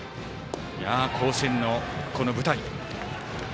甲子園のこの舞台。